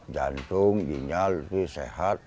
jantung ginjal lutut sehat